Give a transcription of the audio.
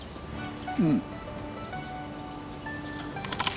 うん。